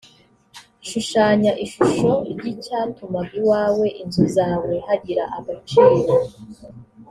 shushanya ishusho ry’icyatumaga iwawe, inzu zawe hagira agaciro